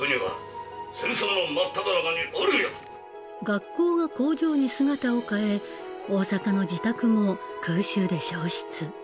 学校が工場に姿を変え大阪の自宅も空襲で焼失。